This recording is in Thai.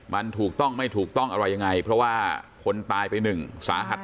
มันถูกต้องไม่ถูกต้องอะไรยังไงเพราะว่าคนตายไปหนึ่งสาหัส